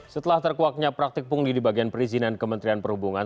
setelah terkuaknya praktik pungli di bagian perizinan kementerian perhubungan